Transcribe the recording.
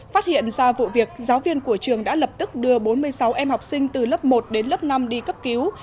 phát hiện ra vụ việc giáo viên của trường đã lập tức đưa bốn mươi sáu em học sinh từ lớp một đến lớp năm đi cấp cứu